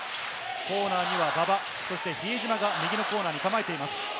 コーナーには馬場、そして比江島が右コーナーに構えいます。